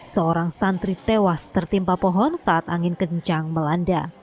seorang santri tewas tertimpa pohon saat angin kencang melanda